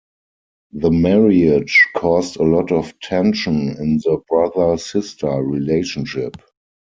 The marriage caused a lot of tension in the brother-sister relationship.